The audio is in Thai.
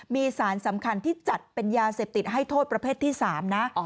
มีสารสำคัญที่จัดเป็นยาเสพติดให้โทษประเภทที่๓นะ